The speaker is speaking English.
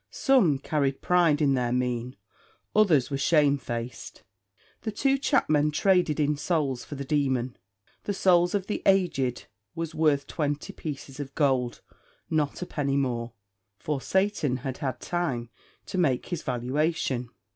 Some carried pride in their mien; others were shame faced. The two chapmen traded in souls for the demon. The souls of the aged was worth twenty pieces of gold, not a penny more; for Satan had had time to make his valuation.